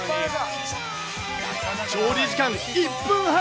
調理時間１分半。